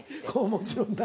もちろんな。